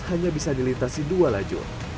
hanya bisa dilintasi dua lajur